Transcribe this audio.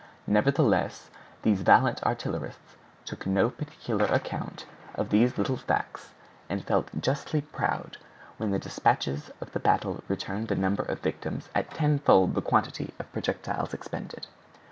Nevertheless, these valiant artillerists took no particular account of these little facts, and felt justly proud when the despatches of a battle returned the number of victims at ten fold the quantity of projectiles expended.